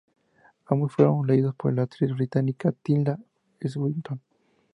Ambos fueron leídos por la actriz británica Tilda Swinton.